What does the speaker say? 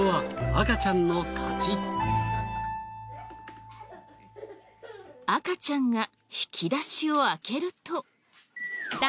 赤ちゃんが引き出しを開けると。